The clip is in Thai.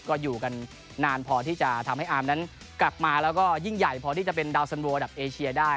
ก็อยู่กันนานพอที่จะทำให้อาร์มนั้นกลับมาแล้วก็ยิ่งใหญ่พอที่จะเป็นดาวสันโวอันดับเอเชียได้